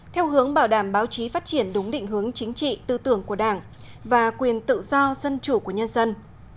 theo hướng bảo đảm báo chí phát triển đúng định hướng chính trị tư tưởng của đảng và quyền tự do dân chủ của nhân dân